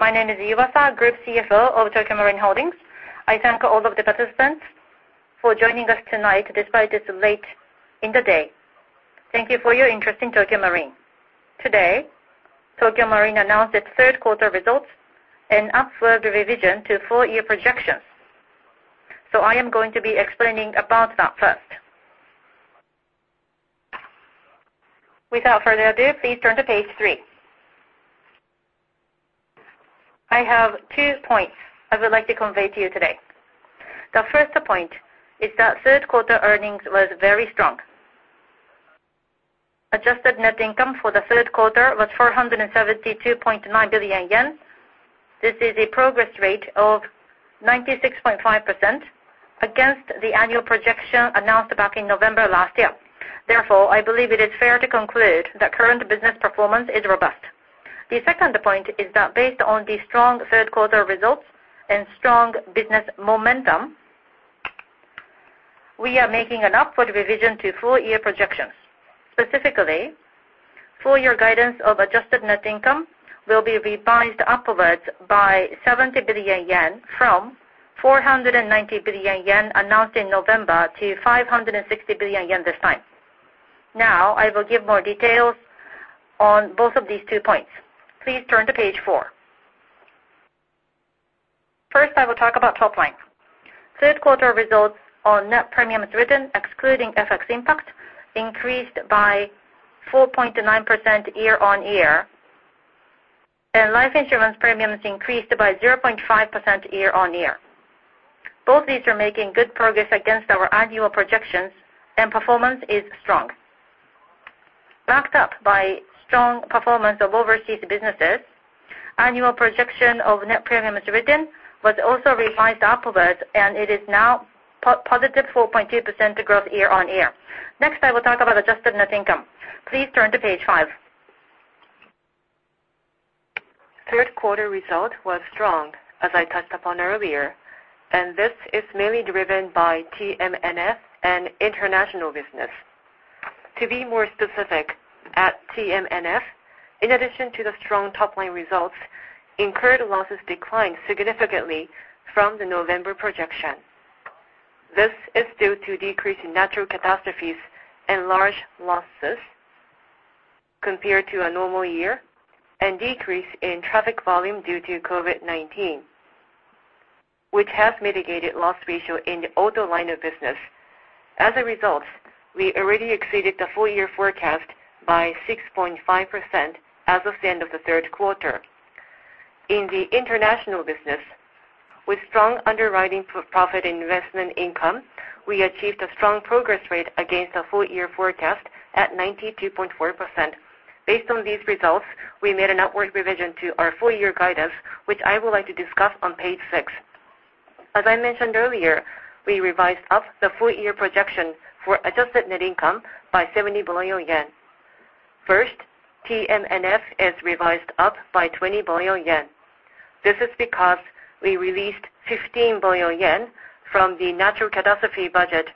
My name is Kenji Okada, Group CFO of Tokio Marine Holdings. I thank all of the participants for joining us tonight despite this late in the day. Thank you for your interest in Tokio Marine. Today, Tokio Marine announced its Q3 results and upward revision to full year projections. I am going to be explaining about that first. Without further ado, please turn to page three. I have two points I would like to convey to you today. The first point is that Q3 earnings was very strong. Adjusted net income for the Q3 was 472.9 billion yen. This is a progress rate of 96.5% against the annual projection announced back in November last year. Therefore, I believe it is fair to conclude that current business performance is robust. The second point is that based on the strong Q3 results and strong business momentum, we are making an upward revision to full-year projections. Specifically, full-year guidance of Adjusted Net Income will be revised upwards by 70 billion yen from 490 billion yen announced in November to 560 billion yen this time. Now I will give more details on both of these two points. Please turn to page four. First, I will talk about top line. Q3 results on Net Premiums Written excluding FX impact increased by 4.9% year-on-year, and Life Insurance Premiums increased by 0.5% year-on-year. Both these are making good progress against our annual projections and performance is strong. Backed up by strong performance of overseas businesses, annual projection of net premiums written was also revised upwards and it is now positive 4.2% growth year-on-year. Next, I will talk about Adjusted Net Income. Please turn to page five. Q3 result was strong, as I touched upon earlier, and this is mainly driven by TMNF and international business. To be more specific, at TMNF, in addition to the strong top-line results, incurred losses declined significantly from the November projection. This is due to decrease in natural catastrophes and large losses compared to a normal year and decrease in traffic volume due to COVID-19, which has mitigated loss ratio in the auto line of business. As a result, we already exceeded the full year forecast by 6.5% as of the end of the Q3. In the international business, with strong underwriting profit and investment income, we achieved a strong progress rate against the full-year forecast at 92.4%. Based on these results, we made an upward revision to our full-year guidance, which I would like to discuss on page six. As I mentioned earlier, we revised up the full-year projection for adjusted net income by 70 billion yen. First, TMNF is revised up by 20 billion yen. This is because we released 15 billion yen from the natural catastrophe budget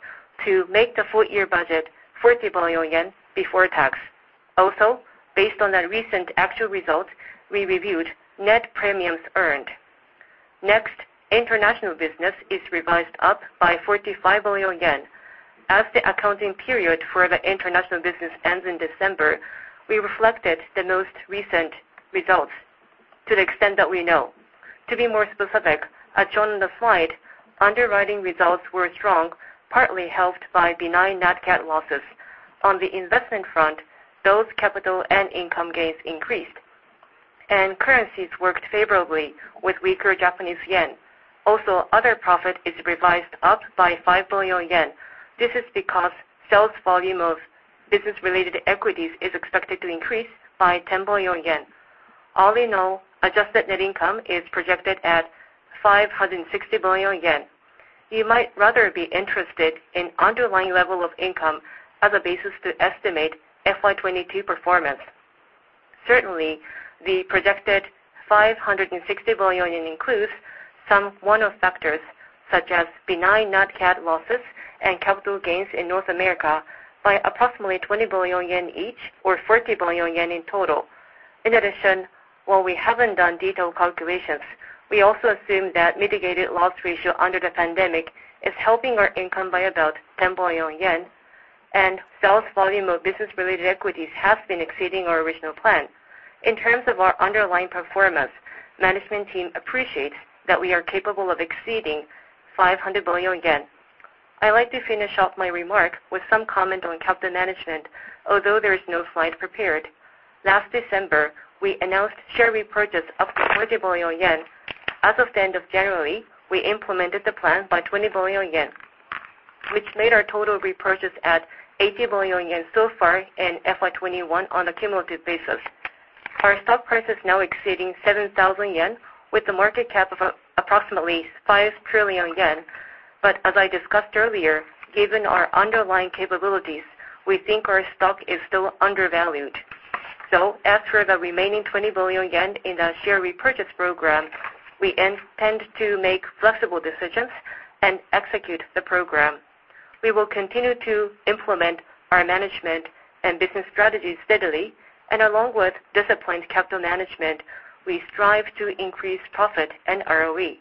to make the full-year budget 40 billion yen before tax. Also, based on the recent actual results, we revised net premiums earned. Next, international business is revised up by 45 billion yen. As the accounting period for the international business ends in December, we reflected the most recent results to the extent that we know. To be more specific, as shown on the slide, underwriting results were strong, partly helped by benign NatCat losses. On the investment front, those capital and income gains increased, and currencies worked favorably with weaker Japanese yen. Also, other profit is revised up by 5 billion yen. This is because sales volume of business-related equities is expected to increase by 10 billion yen. All in all, adjusted net income is projected at 560 billion yen. You might rather be interested in underlying level of income as a basis to estimate FY 2022 performance. Certainly, the projected 560 billion includes some one-off factors such as benign NatCat losses and capital gains in North America by approximately 20 billion yen each or 40 billion yen in total. In addition, while we haven't done detailed calculations, we also assume that mitigated loss ratio under the pandemic is helping our income by about 10 billion yen and sales volume of business-related equities has been exceeding our original plan. In terms of our underlying performance, management team appreciates that we are capable of exceeding 500 billion yen. I like to finish off my remarks with some comment on capital management, although there is no slide prepared. Last December, we announced share repurchase up to 40 billion yen. As of the end of January, we implemented the plan by 20 billion yen, which made our total repurchase at 80 billion yen so far in FY 2021 on a cumulative basis. Our stock price is now exceeding 7,000 yen with a market cap of approximately 5 trillion yen. As I discussed earlier, given our underlying capabilities, we think our stock is still undervalued. As for the remaining 20 billion yen in the share repurchase program, we intend to make flexible decisions and execute the program. We will continue to implement our management and business strategies steadily and along with disciplined capital management, we strive to increase profit and ROE.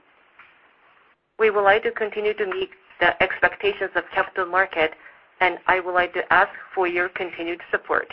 We would like to continue to meet the expectations of capital market, and I would like to ask for your continued support.